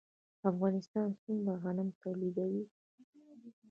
افغانستان څومره غنم تولیدوي؟